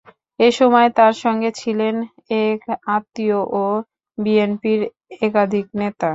এ সময় তাঁর সঙ্গে ছিলেন এক আত্মীয় ও বিএনপির একাধিক নেতা।